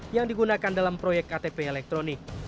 yang digunakan dalam proyek ktp elektronik